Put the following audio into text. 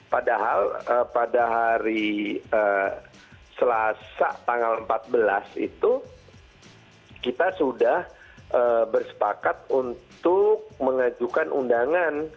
padahal pada hari selasa tanggal empat belas itu kita sudah bersepakat untuk mengajukan undangan